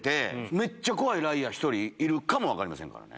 めっちゃ怖いライアー１人いるかも分かりませんから。